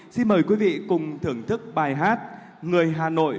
xin mời quý vị cùng thưởng thức bài hát người hà nội